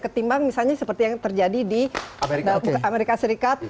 ketimbang misalnya seperti yang terjadi di amerika serikat